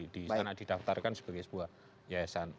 di sana didaftarkan sebagai sebuah yayasan